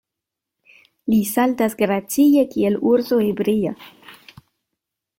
Li saltas gracie, kiel urso ebria.